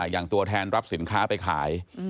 อย่างตัวแทนรับสินค้าไปขาย